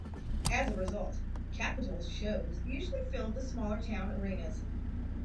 As a result, Capitol's shows usually filled the smaller town arenas.